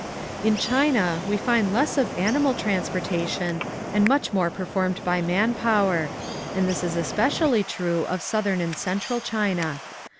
In China we find less of animal trans portation and much more performed by man power, and this is especially true of Southern and Central China.